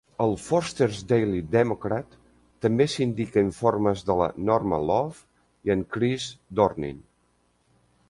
El "Foster's Daily Democrat" també sindica informes de la Norma Love i en Chris Dornin.